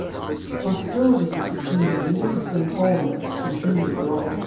Hostilities between natives and colonists continued to grow.